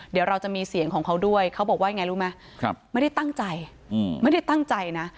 เดี๋ยวเราจะมีเสียงของเขาด้วยเขาบอกว่ายังไงรู้ไหมไม่ได้ตั้งใจไม่ได้ตั้งใจนะ